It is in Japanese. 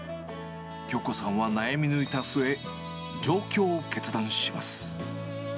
京子さんは悩み抜いた末、上京を決断します。